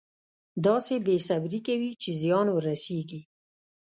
داسې بې صبري کوي چې زیان ورسېږي.